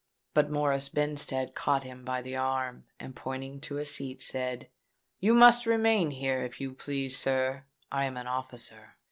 But Morris Benstead caught him by the arm, and pointing to a seat, said, "You must remain here, if you please, sir: I am an officer."